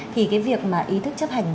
thì cái việc mà ý thức chấp hành